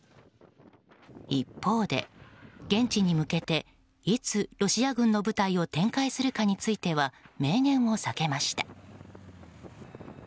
一方で現地に向けていつロシア軍の部隊を展開するかについては明言を避けました。